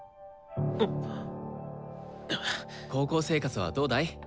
高校生活はどうだい？